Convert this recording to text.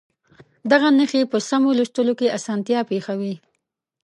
دغه نښې په سمو لوستلو کې اسانتیا پېښوي.